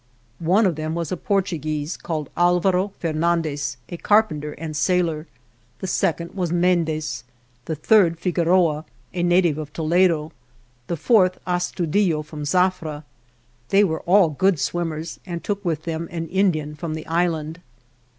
One of them was a Portuguese, called Al varo Fernandez, a carpenter and sailor ; the second was Mendez; the third, Figueroa, a native of Toledo; the fourth, Astudillo, from Zafra. They were all good swimmers and took with them an Indian from the island.